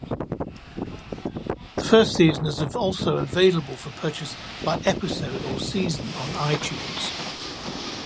The first season is also available for purchase by episode or season on iTunes.